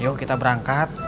yuk kita berangkat